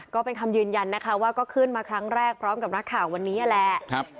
ก็เป็นคำยืนยันนะคะว่าก็ขึ้นมาครั้งแรกพร้อมกับนักข่าววันนี้นั่นแหละ